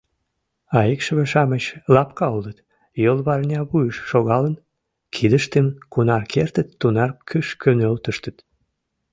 А икшыве-шамыч лапка улыт, йолварнявуйыш шогалын, кидыштым кунар кертыт, тунар кӱшкӧ нӧлтыштыт.